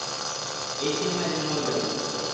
এই সিনেমায় কেউ মরবে না।